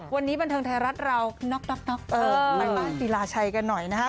วันนี้บันเทิงไทยรัฐเราน็อกไปบ้านศิลาชัยกันหน่อยนะครับ